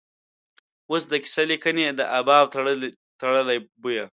اوس د کیسه لیکنې دا باب تړلی بویه.